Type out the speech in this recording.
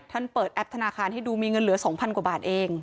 เปิดแอปธนาคารให้ดูมีเงินเหลือ๒๐๐กว่าบาทเอง